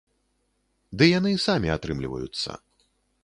Ды яны самі атрымліваюцца.